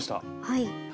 はい。